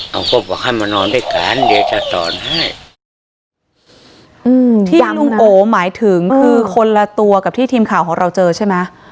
เขาก็บอกให้มานอนด้วยกันเดี๋ยวจะสอนให้อืมที่ลุงโอหมายถึงคือคนละตัวกับที่ทีมข่าวของเราเจอใช่ไหม